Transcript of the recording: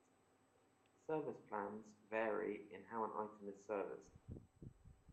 Service plans vary in how an item is serviced.